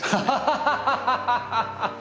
ハハハッ。